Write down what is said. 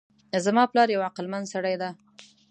زما پلار یو عقلمند سړی ده